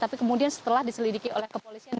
tapi kemudian setelah diselidiki oleh kepolisian